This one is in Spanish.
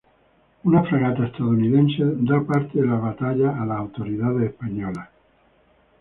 Una fragata estadounidense da parte de la batalla a las autoridades españolas.